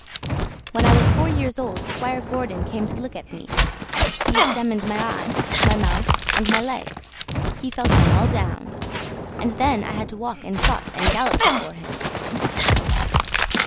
When I was four years old Squire Gordon came to look at me. He examined my eyes, my mouth, and my legs; he felt them all down; and then I had to walk and trot and gallop before him.